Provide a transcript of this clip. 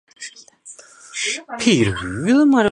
相互的猜疑导致离婚。